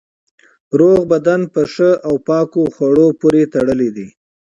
روغ بدن په ښه او پاکو خوړو پورې تړلی دی.